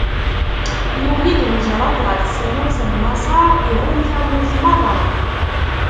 Yuli-d ujṛad ɣef tmurt n Maṣer, iɣumm tamurt meṛṛa.